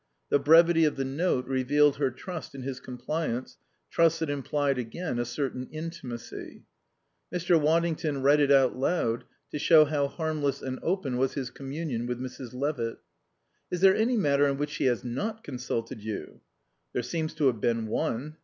The brevity of the note revealed her trust in his compliance, trust that implied again a certain intimacy. Mr. Waddington read it out loud to show how harmless and open was his communion with Mrs. Levitt. "Is there any matter on which she has not consulted you?" "There seems to have been one.